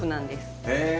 へえ。